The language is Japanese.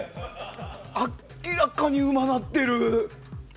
明らかにうまなってる。